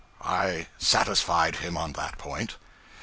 I satisfied him on that point.